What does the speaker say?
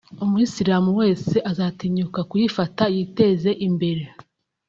umusilamu wese azatinyuka kuyifata yiteze imbere